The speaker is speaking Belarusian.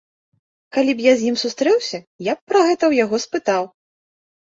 Калі б я з ім сустрэўся, я б пра гэта ў яго спытаў.